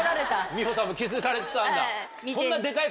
美穂さんも気付かれてたんだ。